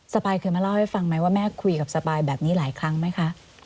ปายเคยมาเล่าให้ฟังไหมว่าแม่คุยกับสปายแบบนี้หลายครั้งไหมคะ